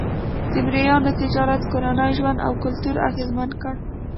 د مریانو تجارت کورنی ژوند او کلتور اغېزمن کړ.